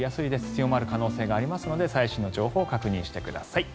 強まる可能性がありますので最新の情報を確認してください。